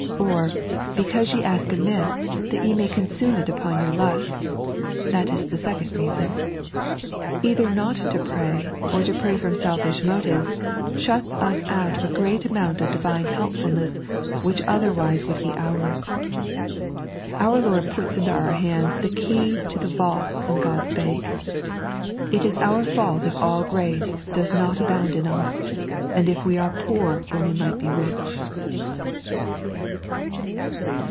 Or, " Because ye aak amiss, that ye may consume it upon your lusts." That is the second reason. Either not to pray, or to pray from selfish motives, shuts ua out of a great amount of Divine helpfulness which otherwise would be ours. Our Lord puts into oiu" hands the key to the vaults in God's bank. It is our fault if all grace does not abound in us, and if we are poor when we might be rich.